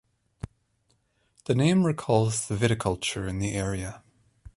The name recalls the viticulture in the area.